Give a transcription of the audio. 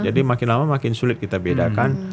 jadi makin lama makin sulit kita bedakan